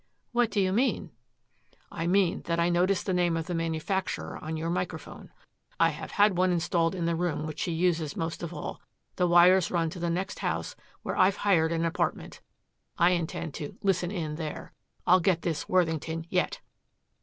"What do you mean?" "I mean that I noticed the name of the manufacturer on your microphone. I have had one installed in the room which she uses most of all. The wires run to the next house where I've hired an apartment. I intend to 'listen in' there. I'll get this Worthington yet!"